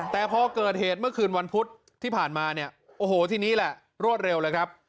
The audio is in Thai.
แต่พอเกิดเหตุเมื่อคืนวันพุธที่ผ่านมาเนี่ยโอ้โหทีนี้แหละรวดเร็วเลยครับ